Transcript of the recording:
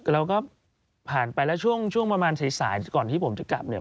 เราก็ผ่านไปแล้วช่วงประมาณสายก่อนที่ผมจะกลับเนี่ย